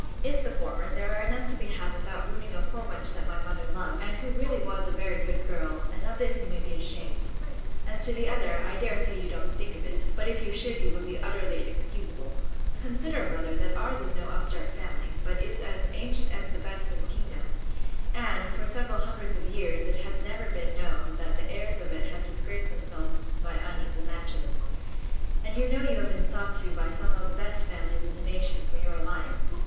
If the former, there are enough to be had without ruining a poor wench that my mother loved, and who really was a very good girl: and of this you may be ashamed. As to the other, I dare say you don't think of it; but if you should, you would be utterly inexcusable. Consider, brother, that ours is no upstart family; but is as ancient as the best in the kingdom! and, for several hundreds of years, it has never been known, that the heirs of it have disgraced themselves by unequal matches: And you know you have been sought to by some of the best families in the nation, for your alliance.